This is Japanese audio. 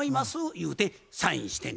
言うてサインしてん。